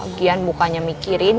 lagian bukanya mikirin